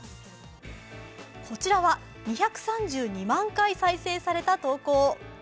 こちらは２３２万回再生された投稿。